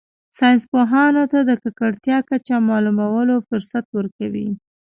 ساینس پوهانو ته د ککړتیا کچه معلومولو فرصت ورکوي